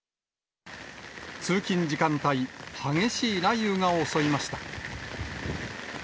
通勤時間帯、激しい雷雨が襲いました。